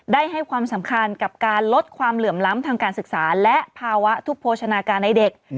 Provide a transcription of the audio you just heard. ให้ความสำคัญกับการลดความเหลื่อมล้ำทางการศึกษาและภาวะทุกโภชนาการในเด็ก